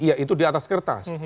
iya itu di atas kertas